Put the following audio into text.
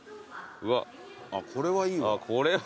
あっこれはいいわ。